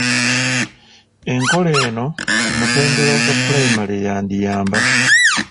Enkola eno ku mutendera ogwa pulayimale yandiyamba.